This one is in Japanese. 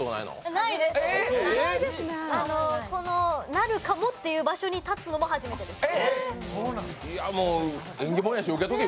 なるかもという場所に立つのも初めてです。